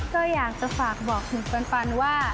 ก็อยากจะฝากบอกถึงฟันว่า